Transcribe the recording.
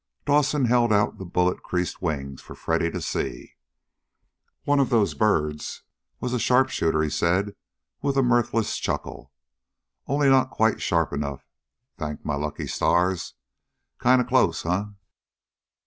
Dawson held out the bullet creased wings for Freddy to see. "One of those birds was a sharp shooter," he said with a mirthless chuckle. "Only not quite sharp enough, thank my lucky stars. Kind of close, huh?"